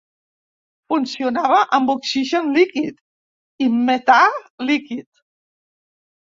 Funcionava amb oxigen líquid i metà líquid.